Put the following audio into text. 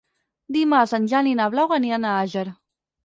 Dimarts en Jan i na Blau aniran a Àger.